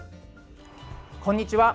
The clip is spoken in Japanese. こんにちは。